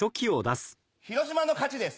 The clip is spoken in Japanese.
広島の勝ちです。